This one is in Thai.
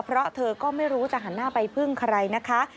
เพราะเธอก็ไม่รู้จะหันหน้าไปพึ่งใครนะคะ